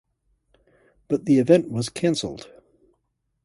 But the event was canceled.